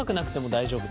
大丈夫？